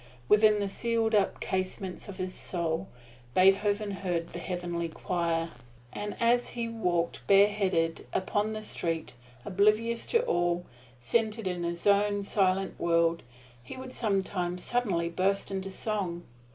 Within the sealed up casements of his soul Beethoven heard the Heavenly Choir; and as he walked, bareheaded, upon the street, oblivious to all, centered in his own silent world, he would sometimes suddenly burst into song.